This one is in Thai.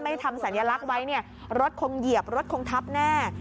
ทำสัญลักษณ์ไว้เนี่ยรถคงเหยียบรถคงทับแน่